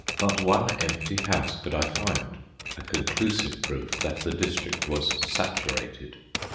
Not one empty house could I find—a conclusive proof that the district was "saturated."